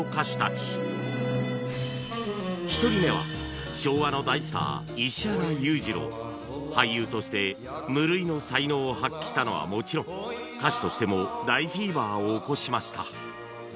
１人目は昭和の大スター俳優として無類の才能を発揮したのはもちろん歌手としても大フィーバーを起こしました